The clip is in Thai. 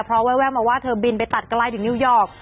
เพราะแววมาว่าเธอบินไปตัดไกลถึงนิวยอร์ก